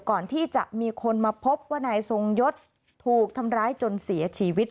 ก่อนที่จะมีคนมาพบว่านายทรงยศถูกทำร้ายจนเสียชีวิต